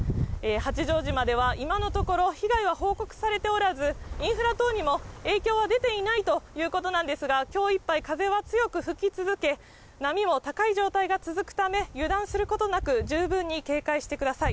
八丈島では、今のところ、被害は報告されておらず、インフラ等にも影響は出ていないということなんですが、きょういっぱい風は強く吹き続け、波も高い状態が続くため、油断することなく、十分に警戒してください。